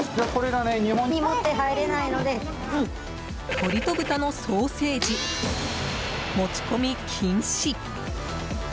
鶏と豚のソーセージ持ち込み禁止。